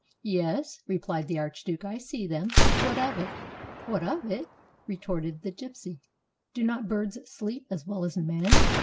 "Yes," replied the archduke, "I see them. What of it?" "What of it?" retorted the gypsy. "Do not birds sleep as well as men?